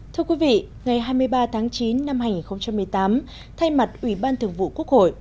thưa quý vị ngày hai mươi ba tháng chín năm hai nghìn một mươi tám thay mặt ủy ban thường vụ quốc hội